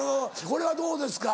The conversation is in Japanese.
これはどうですか？